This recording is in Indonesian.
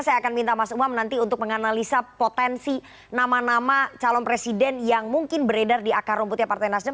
saya akan minta mas umam nanti untuk menganalisa potensi nama nama calon presiden yang mungkin beredar di akar rumputnya partai nasdem